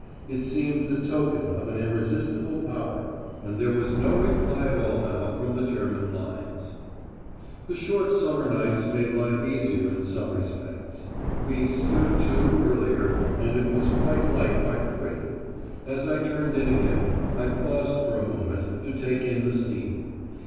It seemed the token of an irresistible power. And there was no reply at all now from the German lines. The short summer nights made life easier in some respects. We "stood to" earlier, and it was quite light by three. As I turned in again, I paused for a moment to take in the scene.